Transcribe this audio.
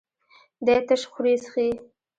دی تش خوري څښي.